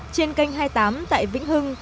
trên kênh hai mươi tám tại vĩnh hưng